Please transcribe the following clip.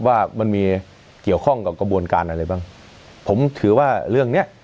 ว่ามันมีเกี่ยวข้องกับกระบวนการอะไรบ้างผมถือว่าเรื่องเนี้ย